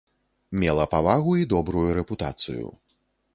Мела павагу і добрую рэпутацыю.